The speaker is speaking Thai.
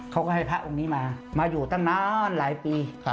เขาก็ให้พระองค์นี้มามาอยู่ตั้งนานหลายปี